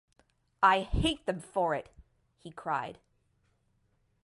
"I hate them for it," he cried.